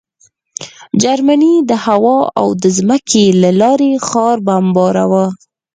جرمني د هوا او ځمکې له لارې ښار بمباراوه